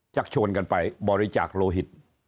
ชวนกันไปบริจาคโลหิต